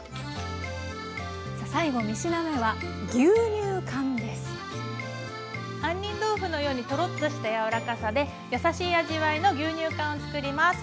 さあ最後３品目は杏仁豆腐のようにトロッとした柔らかさで優しい味わいの牛乳かんを作ります。